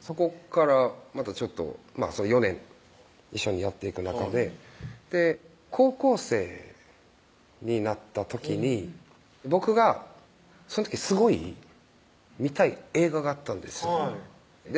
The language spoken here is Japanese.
そこからまたちょっと４年一緒にやっていく中で高校生になった時に僕がその時すごい見たい映画があったんですよで